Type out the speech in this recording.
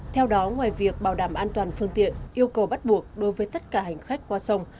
theo đó ngoài việc bảo đảm an toàn phương tiện yêu cầu bắt buộc đối với tất cả hành khách qua sông